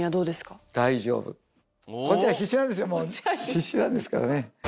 必死なんですからね。